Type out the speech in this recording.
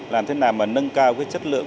làm thế nào mà nâng cao chất lượng